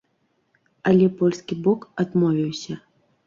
Але польскі бок адмовіўся.